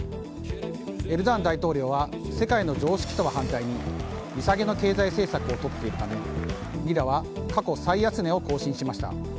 エルドアン大統領は世界の常識とは反対に利下げの経済政策をとっているためリラは過去最安値を更新しました。